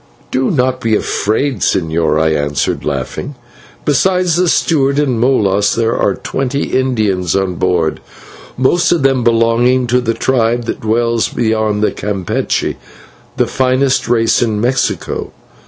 "Do not be afraid, señor," I answered, laughing; "besides the steward and Molas there are twenty Indians on board, most of them belonging to the tribe that dwells beyond Campeche, the finest race in Mexico.